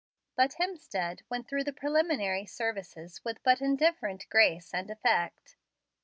But Hemstead went through the preliminary services with but indifferent grace and effect.